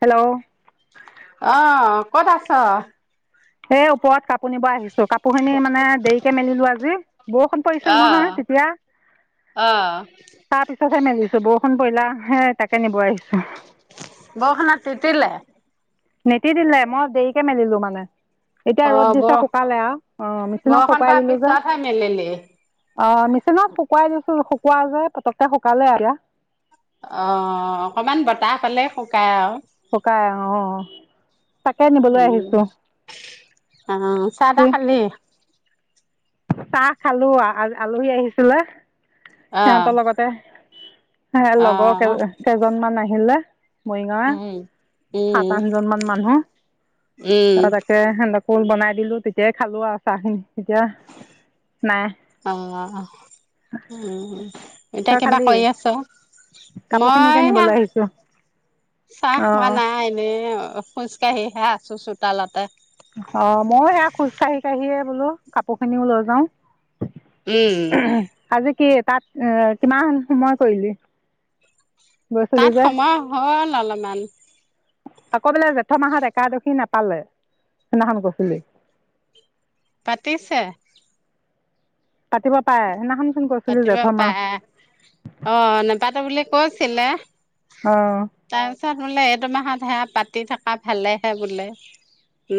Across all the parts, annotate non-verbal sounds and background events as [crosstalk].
Hello! অঁ ক'ত আছ? এই ওপৰত কা পোৰ নিব আহিছো কাপোৰ খিনি মানে দেৰিকে মেলিলো আজি বৰষুণ পৰিছিল নহয় অ', তেতিয়া অ অহ তাৰপিছতহে মেলিছো বৰষুণ পৰিলে হে তাকে নিব আহিছো। বৰষুণত তিতিলে? নিতিতিলে মই দেৰিকে মেলিলো মানে। এতিয়া ৰ'দ অ', দিছে বৰ শুকালে আ অঁ মেচিনত বৰষুণ শুকাই পৰা দিলো যে পিছতহে মেলিলি। অ মেচিনত শুকুৱাই দিছো শুকোৱা যে পটককে শুকালে আৰু এতিয়া। অ অকমান বতাহ পালেই শুকাই আৰু। শুকাই অহ। উম অ চাহ কি তাহ খালি? চাহ খালো আলহী আহিছিলে অ', সিহঁতৰ লগতে। হে লগৰ কে অ', কেজনমান আহিলে মৰিগাঁৱৰে উম। সাত উম, আঠজন মান মানুহ ত উম, তাকে হেঁত কো বনাই দিলো তেতিয়াই খালো আৰু চাহখিনি, এতিয়া নাই। অহ, উম। এতিয়া তই কিবা খালি কৰি আছ? কাপোৰখিনিকে মই এইয়া নিবলৈ আহিছোঁ চাহ খোৱা অঁ নাই এনে খোজ কাঢ়িহে আছো চোতালতে। অ মইও সেয়া খোজ কাঢ়ি কাঢ়িয়ে বোলো কাপোৰ খিনিও লৈ যাওঁ। উম। আজি কি তাত এ কিমান সময় কৰিলি? গৈছিলি তাত যে সময় হ'ল অলপমান। আকৌ বোলে জেঠৰ মাহত একাদশী নাপালে সেইদিনাখন কৈছিলি। পাতিছে। পাতিব পাৰে সেইদিনাখন চোন কৈছিলি জেঠৰ মাহ অঁ নেপাটো বুলি কৈছিলে অ তাৰপিছত বোলে এইটো মাহত সেয়া পাতি থকা ভালেহে বোলে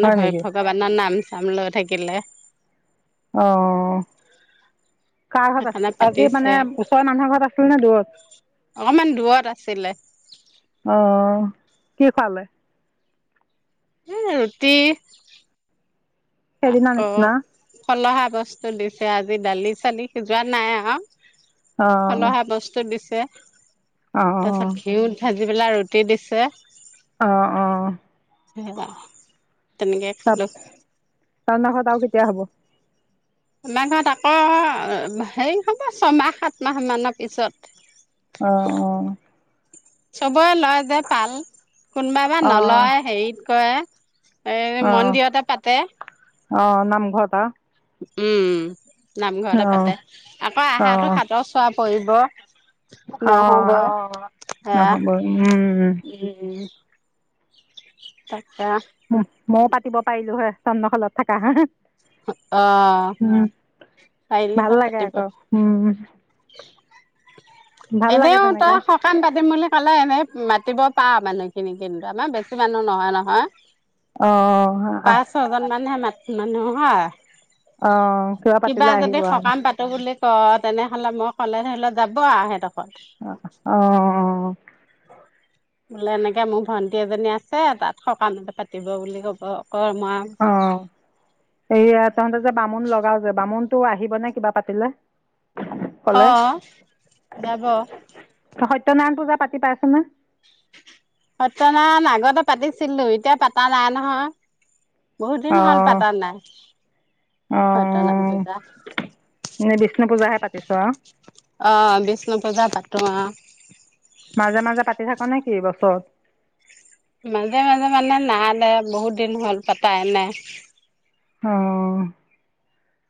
হয় নেকি ভ গৱানৰ নাম চাম লৈ থাকিলে। অহ। কাৰ ঘৰত সেইকাৰণে আছিল আজি পাতিছে মানে ওচৰৰ মানুহৰ ঘৰত আছিল নে দূৰত? অকমান দূৰত আছিলে। অহ, কি খোৱালে? এই ৰুতি সেইদিনা আকৌ নিচিনা ফলাহাৰ বস্তু দিছে আজি দালি চালি সিজোৱা নাই আৰু। অ ফলাহাৰ বস্তু দিছে। অ অ তাৰপিছত ঘিউত ভাজি পেলাই ৰুটি দিছে। অ অ সেয়া তেনেকে তাত খালো তহঁতৰ ঘৰত আৰু কেতিয়া হ'ব? নাই নহয় তাপা হেৰি হ'ব ছমাহ সাত মাহ মানৰ পিছত। অ অ। চবৰে লয় যে পাল, কোনোবা বা অ নলয় হেৰিত কৰে এ অ অ মন্দিৰতে পাতে। অ নামঘৰত আ উম নামঘৰতে অ পাতে আকৌ অ আহাৰটো সাতৰ চুৱা পৰিব। অ নহব হেয়া, নহ'ব উম উম। তা পা উম, মইয়ো পাতিব পাৰিলো হয় চন্নশলত থাকা। অ, উম পাৰিলে ভাল হয় লাগে পাতিব। আকৌ উম। ভাল লাগে এনেও তাৰ তেনেকে স কাম পাতিম বুলি ক'লে এনেই মাতিব পাও মানুহখিনি কিন্তু আমাৰ বেছি মানুহ নহয় নহয়। অ অ, আহ ছয়জন মানহে মাত মানুহ হয়। অ, কিবা পাতিলে আহিব আন তো বুলি কওঁ, তেনেহ'লে মই ক'লে হে সি যাব আও সিহঁতৰ ঘৰত। অ, অ, অ। [unintelligible] বোলে এনেকৈ মোৰ ভণ্টি এজনী আছে, তাত সকামতে পাতিব বুলি ক'ব কম আও। [unintelligible] হেৰি এইয়া তহঁতে যে বামুণ লগাও যে বামুণটো আহিবনে কিবা পাতিলে? অ, ক'লে যাব। ত‌ই সত্যনাৰায়ণ পূজা পাতি পাইছে নে? সত্যনাৰায়ণ আগতে পাতিছিলো, এতিয়া পতা নাই নহয়। বহুত দিন অ হ'ল পাতা নাই। অ, সত্যনাৰায়ণ পূজা এনেই বিষ্ণু পূজাহে পাতিছো আও। অ, বিষ্ণু পূজা পাতো অ। মাজে মাজে পাতি থাকো নেকি বছৰত? মাজে মাজে মানে নাই দেই বহুত দিন হ'ল পাতাই নাই। অ।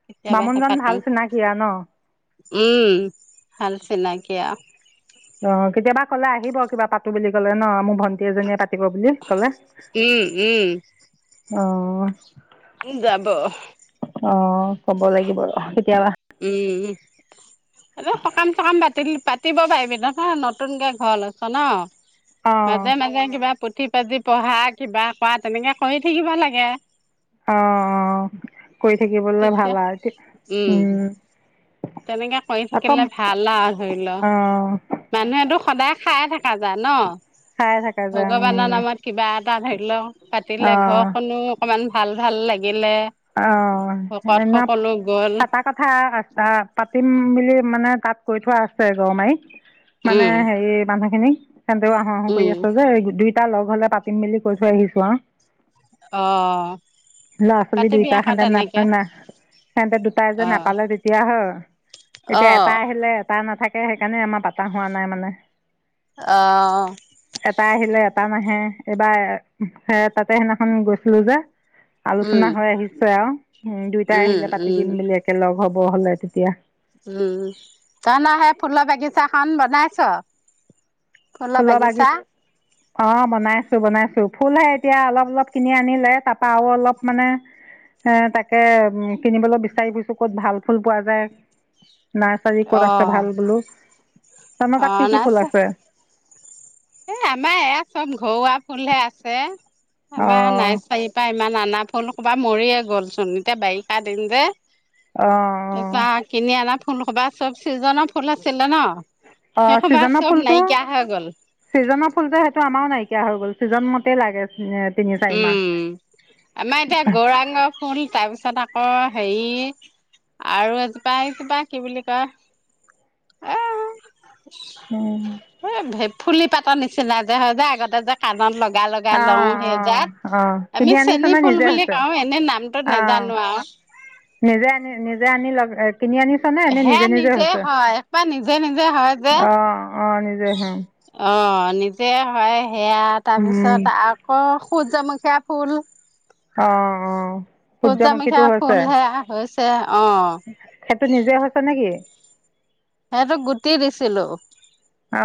কেতিয়াবাহে বামুণজন ভাল পাতোং। চিনাকি আৰু ন উম, ভাল চিনাকি আও। অ, কেতিয়াবা ক'লে আহিব কিবা পাতো বুলি ক'লে ন। মোৰ ভন্ টি এজনীয়ে পাতিব বুলি ক'লে। উম উম অ উম, যাব। অ, ক'ব লাগিব ৰ কেতিয়াবা। উম। হলো সকাম চকাম পাতি দিল পাতিব পাৰিবি নহয়, নতুনকে ঘৰ লৈছোঁ ন। অ মাজে মাজে কিবা পুথি পাতি পঢ়া, কিবা কৰা, তেনেকে কৰি থাকিব লাগে। অ অ, কৰি থাকিবলৈ তেতিয়া ভাল আও, তি উম উম তেনেকে কৰি আকৌ থাকিলে ভাল আও ধৰিলো। অ মানুহেটো সদায় খাই থকা যায় ন! চাই থাকা যে ভগৱানৰ উম নামত কিবা এটা ধৰিল অ পাতিলে ঘৰখনো অকমান ভাল-ভাল লাগিলে। অ ভকত সকলো গ'ল [unintelligible] কথা [unintelligible] পাতিম বুলি মানে তাত কৈ থোৱা আছে [unintelligible] মানে উম হেৰি মানুহ খিনি, সেনতেও আহো-আহো কৰি উম আছে যে, এই গোটেই তাৰ লগ হ'লে পাতিম বুলি কৈ থৈ আহিছো আৰু। অ। [unintelligible] পাতিবি আকৌ তেনেকে সিহঁতে দুটায়ে যে, অ নাপালে তেতিয়া হয়। অ এতিয়া এটা আহিলে এটা নাথাকে, সেইকাৰণে আমাৰ পাতা হোৱা নাই মানে। অ। এটা আহিলে এটা নাহে। এইবাৰ সেই তাতে সেইদিনাখন গৈছিলো যে উম চোনা হৈ আহিছে আৰু। উম, দুইটাই উম আহিলে পাতি উম দিম বুলি একে লগ হ'ব হ'লে তেতিয়া। উম, তই [unintelligible] সেই ফুলৰ বাগিচাখন বনাইছ? ফুলৰ বাগিছা! অ, বনাইছো, বনাইছো। ফুলহে এতিয়া অলপ-অলপ কিনি আনিলে, তাৰপা আৰু অলপ মানে সেই তাকে, উম, কিনিবলৈ বিচাৰি ফুৰিছো, ক'ত ভাল ফুল পোৱা যায়। নাৰ্চাৰী ক'ত আছে অ', ভাল বোলো, তহঁতৰ তাত অ', কি কি ফুল নাৰ্চাৰী আছে? এ, আমাৰ এয়া চব ঘৰুৱা ফুলহে আছে, আমাৰ অ' নাৰ্চাৰী পা ইমান আনা ফুল সুপা ল মৰিয়ে গ'ল চোন! এতিয়া বাৰিষা দিন যে। অ' অ' তাৰপা কিনি আনা ফুল সুবা চব চিজনৰ ফুল আছিলে ন। অ' সেই সুবা চব নাইকিয়া হৈ গ'ল। ছিজনৰ ফুলটো সেইটো আমাৰও নাইকিয়া হৈ গ'ল, ছিজন মতেই লাগে যিহেতু। উম, আমাৰ এতিয়া গৌৰাঙ [unintelligible] তাৰপিছত আকৌ হেৰি আৰু এজোপা, এইজোপা কি বুলি কয় এ! উম এই ফুলি পাতৰ নিচিনা যে হয় যে, আগতে যে কাণত লগাই-লগা লগাই লওঁ, সেইজাত অ' অ' অ' আমি কিনি আনিছ চেনী নে ফুল নিজে বুলি হৈছে কওঁ, এনে নামটো অ' নাজানো আৰু। নিজে আনি, নিজে আনি লগ, কিনি আনি সেয়া নিজে হয়, এইসোপা নিজে-নিজে হয় যে! অ অ নিজে হয় অ, নিজে হয়, সেয়া উম তাৰপিছত, আকৌ সূৰ্যামূখীয়া ফুল। অ, অ। সূৰ্যমুখীয়া সূৰ্যমুখীটো হৈছে ফুল, সেয়া হৈছে। অ। সেইটো নিজে হৈছে নেকি! সেইটো গুটি দিছিলো। অ,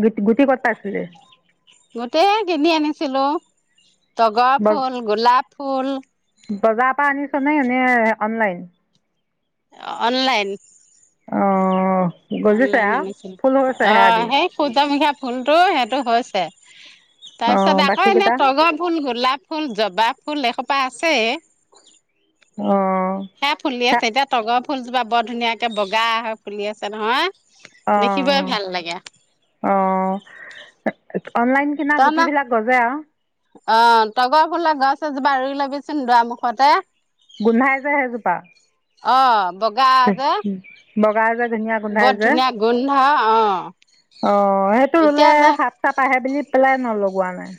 গু-গুটি ক'ত পাইছিলি? গুটি, এই কিনি আনিছিলো, তগৰ ব ফুল, গোলাপ ফুল। বজাৰৰ পৰা আনিছ নে, এনে অনলাইন? অনলাইন। অ, গজিছে অনলাইন আহ, আনিছিলো ফুল হৈছে, অ হেয়া দি। সেই সূৰ্যমুখীয়া ফুলতটো সেইটো হৈছে, অ তাৰপিছত আকৌ এনেই বাকীকেইটা তগৰ ফুল, গোলাপ ফুল, জবা ফুল এসোপা আছেই। অ। সেয়া ফুলি সে আছে, এতিয়া তগৰ ফুলজোপা বৰ ধুনীয়াকে বগা হয় ফুলি আছে নহয়। অ, দেখিবই ভাল লাগে। অ, অনলাইন কিনা তই গুটি না বিলাক গজে আৰু। অ, তগৰ ফুলৰ গছ এজোপা ৰুই ল'বিচোন দুৱাৰ মুখতে। গোন্ধাই যে সেইজোপা। অ বগা যে বগা যে ধুনীয়া গোন্ধাই বৰ যে, ধুনীয়া গোন্ধ অ অ সেইটো ৰুলে এতিয়া যে সাত সাপ আহে বুলি পেলাই নলগোৱা নাই।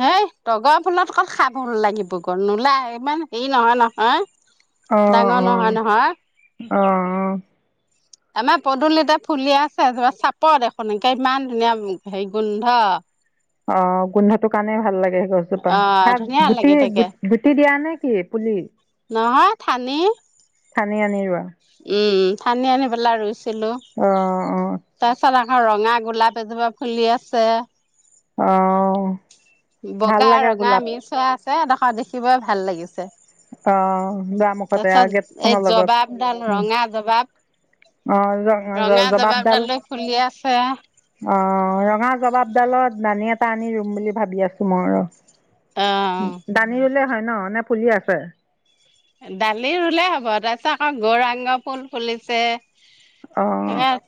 সেই তগৰ ফুলত ক'ত সাপ লাগিব ক নোলাই ইমান হেৰি নহয় নহয়। অ' ডাঙৰ অ' নহয় নহয়। অ আমাৰ পদূলিতে ফুলিয়ে আছে তোমাৰ চাপত দেখোন লোকে ইমান ধুনীয়া হেৰি গোন্ধ। অ গোন্ধটো কাৰনে ভাল লাগে সেইগছ তাপা অ ধুনীয়া সেয়াত গুটি লাগি থাকে গুটি দিয়া নেকি পুলি নহয় ঠানি কানি আনি ৰোৱা। উম ঠানি আনি পেলাই ৰুইছিলোঁ, অ' অ' তাৰপিছত আ ৰঙা গোলাপ এজোপা ফুলি আছে। অ ভাল বগা লাগে ৰঙা গোলাপ মিচ হৈ আছে এইদখ দেখিবই ভাল লাগিছে। অ' দুৱাৰমুখতে তাৰপিছত আৰু এই গেটখনৰ লগত জবাবডাল উম ৰঙা জবাব। অ ৰঙা জবাবডাল। জবাবডালো ফুলি আছে অ ৰঙা জবাবডালত ঠানি এটা আনি ৰুম বুলি ভাবি আছো মই ৰ। অ দানি ৰুলে হয় ন নে পুলি আছে। ডালি ৰুলে হ'ব তাৰপিছত আকৌ গৌৰাংগ ফুল ফুলিছে। অ'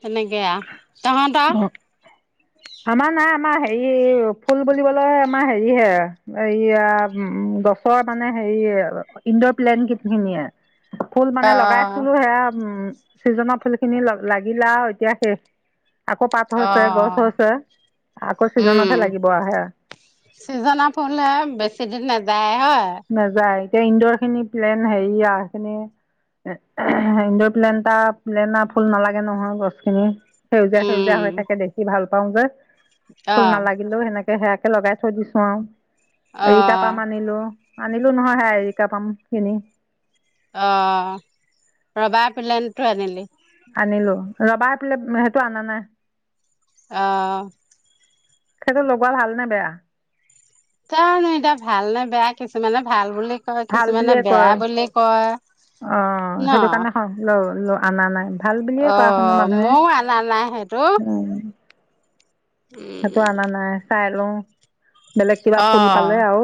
তেনেকে আ। অ। [unintelligible] আমাৰ নাই আমাৰ হেৰি ফুল বুলিবলৈ আমাৰ হেৰি হে এইয়া গছৰ মানে হেৰি ইন্দৰ প্লেন খিনিয়েই। ফুল অ মানে লগাইছিলো সেয়া উম চিজনৰ ফুল খিনি লাগিলা আৰু এতিয়া শেষ। আকৌ পাত অ হৈছে গছ হৈছে আকৌ ছিজনতহে লাগিব হেয়া। চিজনৰ ফুল হে বেছি দিন নাযায় হয়। নাযায় এতিয়া ইন্দৰ খিনি প্লেন হেৰিয়া সেইখিনি ইন্দ্ৰৰ প্লেনতা প্লেণা ফুল নালাগে নহয় গছখিনি। সেউজীয়া সেউজীয়া উম হৈ থাকে দেখি ভাল পাওঁ যে, অ ফুল নালাগ হলেও হেনেকে হেয়াকে লগাই থৈ দিছো আৰু অ এৰিকাপাম আনিলো। আনিলো নহয় হেয়া এৰিকাপাম খিনি। অ ৰবাৰ্ট প্লেনটো আনিলি। আনিলো ৰবা প্লেন সেইটো আনা নাই। অ সেইটো লগোৱা ভাল নে বেয়া। যানো এতিয়া ভাল নে বেয়া কিছু মানে ভাল বুলি আৰু ভাল কিছুমানে বুলিয়ে বেয়া কয় বুলি কয় ন ল আনা নাই ভাল বুলিয়ে অ কোৱা হোনো মানুহে ময়ো অনা নাই সেইটো উম! সেইটো আনা নাই চাই লওঁ বেলেগ কিবা অ ফুল পালে আৰু।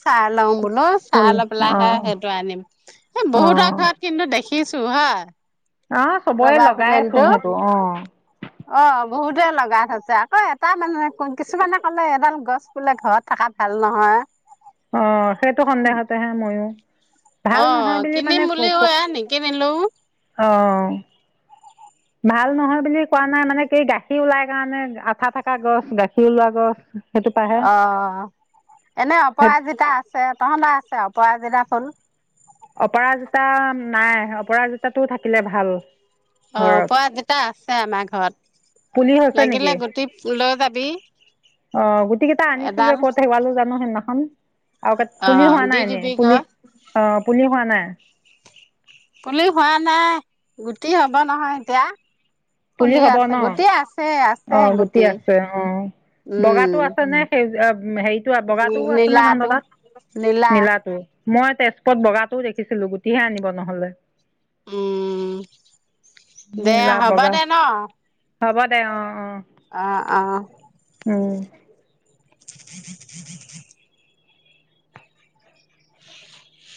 চাই লওঁ বোলো ফুল চাই লৈ পেলাই হে অঁ সেইটো আনিম, এই বহুতৰ অঁ ঘৰত কিন্তু দেখি দেখিছো হা। অ চবৰে লগাইচোন সেইটো অ। অ, বহুতে লগাই থৈছে আছে আকৌ এটা মানুহে কিছুমানে কলে এডাল গছ বোলে ঘৰত থকা ভাল নহয়। অ', সেইটো সন্দেহতেহে ময়ো ভাল নহয় অ', কিনিম বুলি এয়া নিকিনিলোও। অ'। ভাল নহয় বুলি কোৱা নাই, মানে কি গাখীৰ ওলাই কাৰণে আঠা থকা গছ গাখীৰ ওলোৱা গছ। সেইটো পাহে অ', এনে সেই অপৰাজিতা আছে। তহঁতৰ আছে অপৰাজিতা ফুল? অপৰাজতা নাই, অপৰাজতাটো থাকিলে ভাল। অ', ঘৰত অপৰাজিতা আছে আমাৰ ঘৰত, পুলি হৈছে লাগিলে নেকি গুটি লৈ যাবি। অ', গুটি কেইটা এডাল আনিছিলো ক'ত হেৰুৱালো জানো সেইদিনাখন। আৰু অ পুলি হোৱা দি নাই এনেই দিবি প গৈ অ', পুলি হোৱা নাই? পুলি হোৱা নাই, গুটি হ'ব নহয় এতিয়া। ফুলি আছে গুটি আছেই আছে। অ', গুটি আছে অ', উম বগাটো আছে নে সেউজ হেৰিত এই বগাটোও আছে নে নীলাটো তহঁতৰ তাত, নীলা নীলাটো? মই তেজপুৰত বগাটোও দেখিছিলো গুটিহে আনিব নহ'লে। উম, দে নীলা হ'ব বগা দে ন'! হ'ব দে অ', অ'। উম। [inaudible] [inaudible]